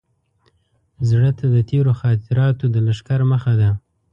زړه ته د تېرو خاطراتو د لښکر مخه ده.